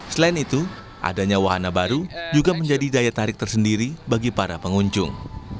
selain itu adanya wahana baru juga menjadi daya tarik tersendiri bagi para pengunjung